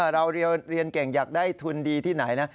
เราเรียนเก่งอยากได้ทุนดีที่ไหนนะ